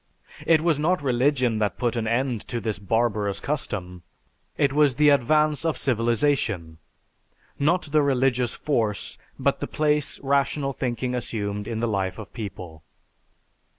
It was not religion that put an end to this barbarous custom; it was the advance of civilization; not the religious force, but the place rational thinking assumed in the life of people.